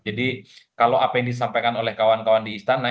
jadi kalau apa yang disampaikan oleh kawan kawan di istana